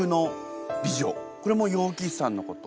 これも楊貴妃さんのこと？